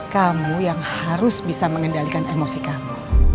kamu yang harus bisa mengendalikan emosi kamu